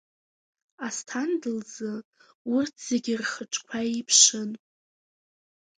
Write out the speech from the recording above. Асҭанда лзы урҭ зегьы рхаҿқәа еиԥшын.